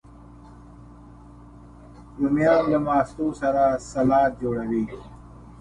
رومیان له ماستو سره سالاد جوړوي